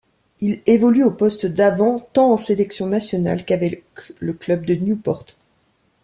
Il évolue au poste d'avant tant en sélection nationale qu'avec le club de Newport.